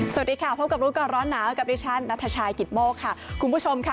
สวัสดีค่ะพบกับรู้ก่อนร้อนหนาวกับดิฉันนัทชายกิตโมกค่ะคุณผู้ชมค่ะ